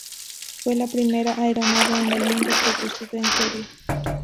Fue la primera aeronave en el mundo producido en serie.